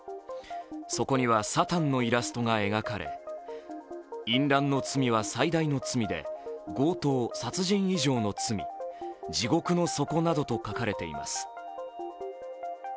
そこには、サタンのイラストが描かれ、淫乱の罪は最大の罪で強盗・殺人以上の罪、地獄の底などと書かれています。